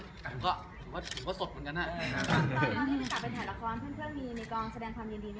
ตอนที่คุณกลับไปถ่ายละครเพื่อนมีในกรองแสดงความยินดีไหมครับ